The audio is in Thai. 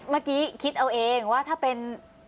เมื่อกี้คิดเอาเองว่าถ้าเป็น